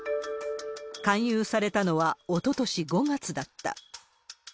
勧誘されたのはおととし５月だった。